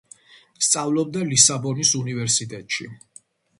სწავლობდა ლისაბონის უნივერსიტეტში.